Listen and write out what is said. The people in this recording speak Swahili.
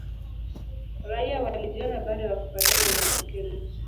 raia walijiona bado wako katika umasikini